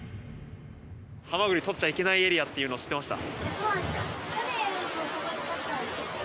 ハマグリ採っちゃいけないエリアっていうの知ってました？